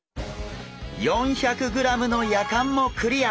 ４００ｇのやかんもクリア！